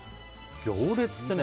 行列ってね。